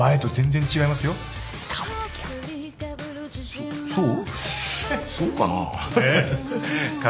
そそう？